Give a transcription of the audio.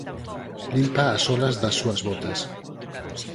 Limpa as solas das súas botas.